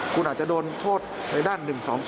คุณอาจจะโดนโทษในด้าน๑๒๒